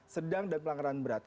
sedang dan pelanggaran berat